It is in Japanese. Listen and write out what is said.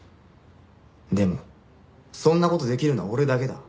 でもそんな事できるのは俺だけだ。